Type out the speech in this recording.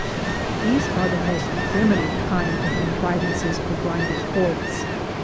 These are the most primitive kind of contrivances for grinding quartz.